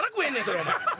それお前。